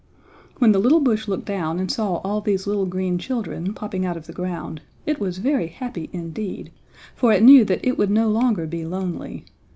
When the little bush looked down and saw all these little green children popping out of the ground, it was very happy indeed, for it knew that it would no longer be lonely.